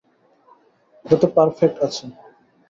এটা তো পারফ্যাক্ট আছে?